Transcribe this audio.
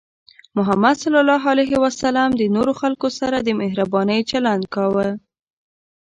محمد صلى الله عليه وسلم د نورو خلکو سره د مهربانۍ چلند کاوه.